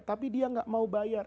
tapi dia nggak mau bayar